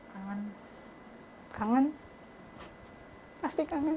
hai kangen pasti kangen